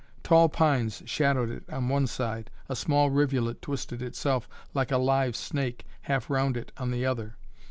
Tall pines shadowed it on one side, a small rivulet twisted itself, like a live snake, half round it on the other.